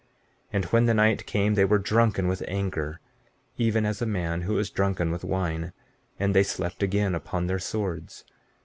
15:22 And when the night came they were drunken with anger, even as a man who is drunken with wine; and they slept again upon their swords.